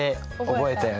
覚えたよね。